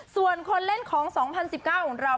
ส่วนคนเล่นของ๒๐๑๙ของเรา